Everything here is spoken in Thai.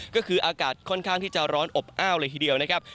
ก็คืออากาศค่อนข้างที่จะร้อนอบอ้าวเลยทีเดียวนะครับ